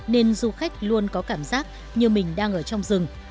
nên du khách luôn có cảm giác như mình đang ở trong rừng